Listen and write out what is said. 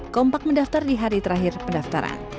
kompak mendaftar di hari terakhir pendaftaran